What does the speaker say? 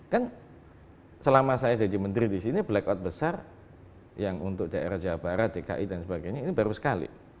kan selama saya jadi menteri di sini blackout besar yang untuk daerah jawa barat dki dan sebagainya ini baru sekali